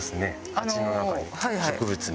鉢の中に。